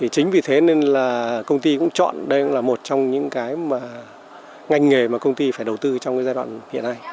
chính vì thế nên là công ty cũng chọn đây là một trong những ngành nghề mà công ty phải đầu tư trong giai đoạn hiện nay